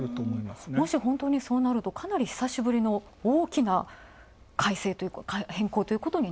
もしそうなると、かなり久しぶりの大きな変更と。